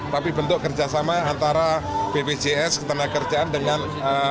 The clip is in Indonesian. tapi bentuk kerjasama antara bpjs ketenagakerjaan dengan